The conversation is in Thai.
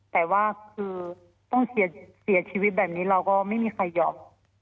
แต่ต้องเสียชีวิตแบบนี้แล้วก็ไม่มีใครหยอม